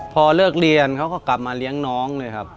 พอเลิกเรียนเขาก็กลับมาเลี้ยงน้องเลยครับ